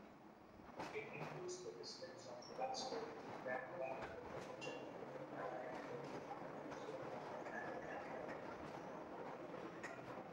It includes the districts of Bastar, Dantewada, Bijapur, Narayanpur, Sukma and Kanker.